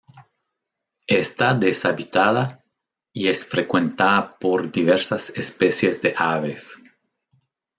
Está deshabitada y es frecuentada por diversas especies de aves.